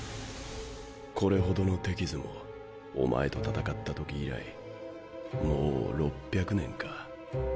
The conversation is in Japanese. これほどの手傷もおまえと戦った時以来もう６００年か。